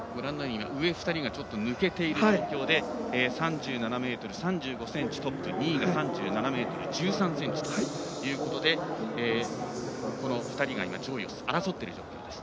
上位２人が抜けている状態で３７ｍ３５ｃｍ、トップ２位が３７ｍ１３ｃｍということでこの２人が今上位を争っている状況です。